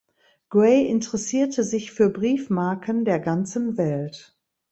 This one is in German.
Gray interessierte sich für Briefmarken der ganzen Welt.